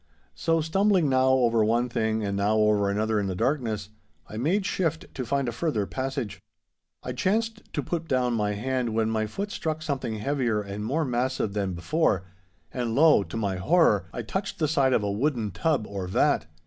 So, stumbling now over one thing and now over another in the darkness, I made shift to find a further passage. I chanced to put down my hand, when my foot struck something heavier and more massive than before, and, lo! to my horror, I touched the side of a wooden tub or vat.